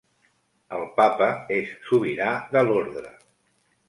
El papa és sobirà de l'ordre.